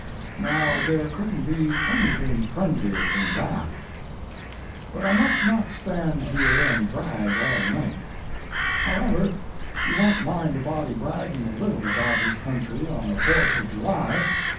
Now there couldn't be anything friendlier than that. But I must not stand here and brag all night. However, you won't mind a body bragging a little about his country on the Fourth of July.